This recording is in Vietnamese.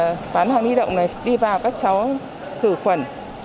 mở bán hàng đi động này đi vào các cháu thử khuẩn